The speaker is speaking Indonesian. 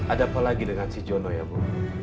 ada apa lagi dengan si jono ya bu